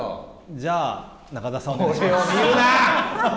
じゃあ、中澤さん、お願いします。